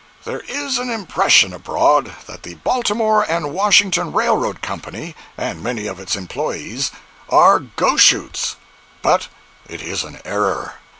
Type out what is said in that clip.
There is an impression abroad that the Baltimore and Washington Railroad Company and many of its employees are Goshoots; but it is an error.